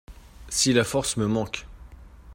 Si la force me manque.